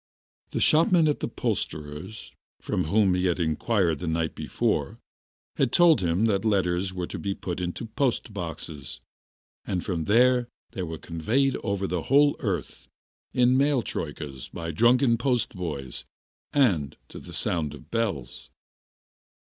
The shopman at the poulterer's, from whom he had inquired the night before, had told him that letters were to be put into post boxes, and from there they were conveyed over the whole earth in mail troikas by drunken post boys and to the sound of bells.